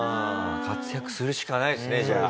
活躍するしかないですねじゃあ。